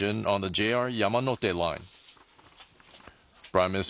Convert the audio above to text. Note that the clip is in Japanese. ＪＲ山手線